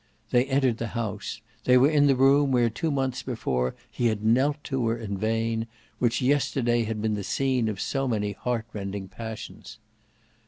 They entered the house; they were in the room where two months before he had knelt to her in vain, which yesterday had been the scene of so many heart rending passions.